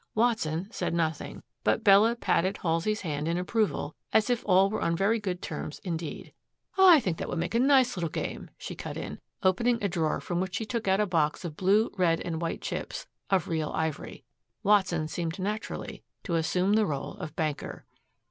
Watson said nothing, but Bella patted Halsey's hand in approval, as if all were on very good terms indeed. "I think that will make a nice little game," she cut in, opening a drawer from which she took out a box of blue, red and white chips of real ivory. Watson seemed naturally to assume the role of banker.